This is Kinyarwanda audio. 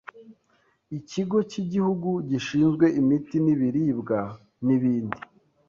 ikigo cy’igihugu gishizwe imiti n’ibiribwa n’ibindi